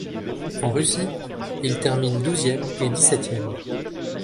En Russie, ils terminent douzième et dix-septième.